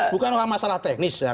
bukan orang masalah teknis